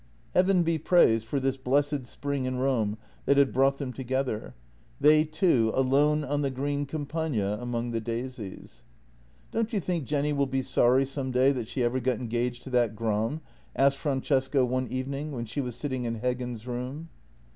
Heaven be praised for this blessed spring in Rome that had brought them together — they two alone on the green Campagna among the daisies. " Don't you think Jenny will be sorry some day that she ever got engaged to that Gram? " asked Francesca one evening when she was sitting in Heggen's room.